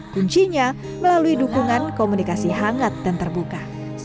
kuncinya melalui dukungan komunikasi hangat dan terbuka